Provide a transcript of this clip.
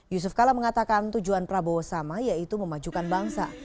yusuf kala mengatakan tujuan prabowo sama yaitu memajukan bangsa